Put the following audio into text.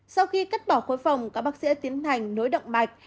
sau khi cất bỏ khối phòng các bác sĩ đã tiến hành nối động mạch